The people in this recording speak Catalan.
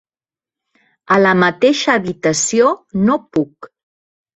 A la mateixa habitació no puc.